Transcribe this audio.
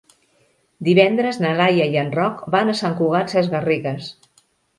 Divendres na Laia i en Roc van a Sant Cugat Sesgarrigues.